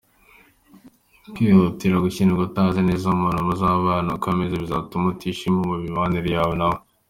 Kwihutira gushyingirwa utazi neza umuntu muzabana uko ameze bizatuma utishima mu mibanire yawe nawe.